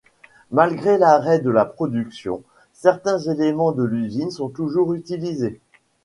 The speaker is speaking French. Malgré l’arrêt de la production, certains éléments de l’usine sont toujours utilisés.